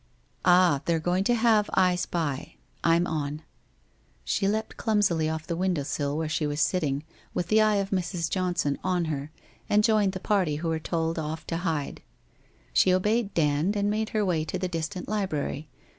Oh, they're going to have " I spy." I'm on.' She leapt clumsily off the window sill where she was sitting, with the eye of Mrs. Johnson on her, and joined the party who were told off to hide. She obeyed Dand and made her way to the distant library.